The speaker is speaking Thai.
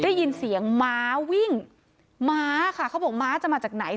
ได้ยินเสียงม้าวิ่งม้าค่ะเขาบอกม้าจะมาจากไหน